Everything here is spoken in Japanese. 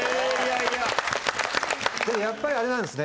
やっぱりあれなんですね。